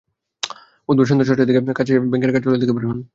বুধবার সন্ধ্যা ছয়টার দিকে কাজ শেষে তিনি ব্যাংকের কার্যালয় থেকে বের হন।